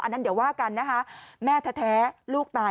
นั้นเดี๋ยวว่ากันนะคะแม่แท้ลูกตาย